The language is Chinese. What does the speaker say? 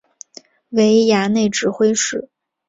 为衙内指挥使。